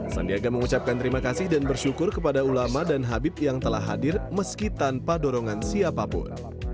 sandiaga mengucapkan terima kasih dan bersyukur kepada ulama dan habib yang telah hadir meski tanpa dorongan siapapun